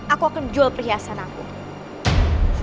aku akan jual perhiasan aku